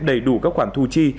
đầy đủ các khoản thu chi